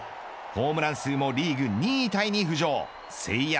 ホームラン数もリーグ２位タイに浮上誠也